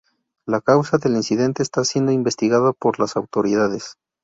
La causa del incidente está siendo investigada por las autoridades.